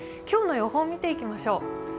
今日の予報を見ていきましょう。